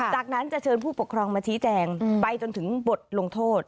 จากนั้นจะเชิญผู้ปกครองมาชี้แจงไปจนถึงบทลงโทษ